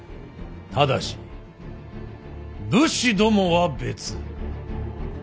ただし武士どもは別。